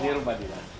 ini rumah dinas